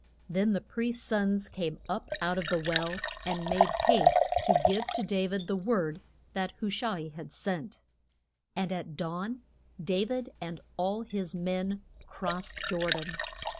Then the priest's sons came up out of the well, and made haste to give to Da vid the word that Hu sha i had sent. And at dawn Da vid and all his men crossed Jor dan.